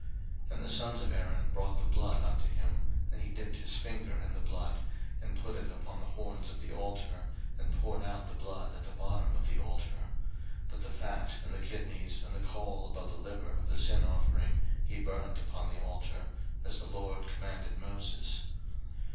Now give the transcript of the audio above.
03:009:009 And the sons of Aaron brought the blood unto him: and he dipped his finger in the blood, and put it upon the horns of the altar, and poured out the blood at the bottom of the altar: 03:009:010 But the fat, and the kidneys, and the caul above the liver of the sin offering, he burnt upon the altar; as the LORD commanded Moses.